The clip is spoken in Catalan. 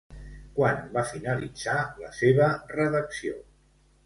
Quan va finalitzar la seva redacció?